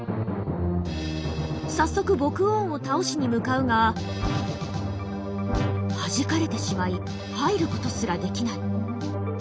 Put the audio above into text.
早速ボクオーンを倒しに向かうがはじかれてしまい入ることすらできない。